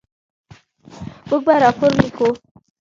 موږ به راپور لیکو.